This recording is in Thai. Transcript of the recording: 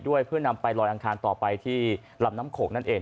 เพื่อนำไปลอยอังคารต่อไปที่ลำน้ำโขกนั่นเอง